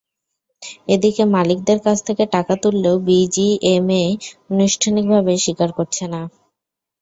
এদিকে মালিকদের কাছ থেকে টাকা তুললেও বিজিএমইএ আনুষ্ঠানিকভাবে স্বীকার করছে না।